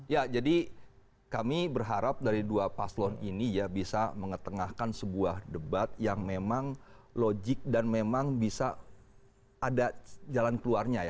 ya jadi kami berharap dari dua paslon ini ya bisa mengetengahkan sebuah debat yang memang logik dan memang bisa ada jalan keluarnya ya